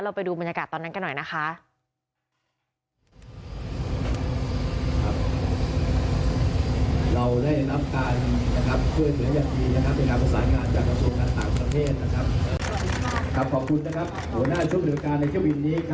ไปดูบรรยากาศตอนนั้นกันหน่อยนะคะ